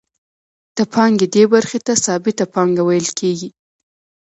د پانګې دې برخې ته ثابته پانګه ویل کېږي